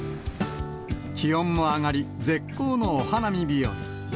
気温も上がり、絶好のお花見日和。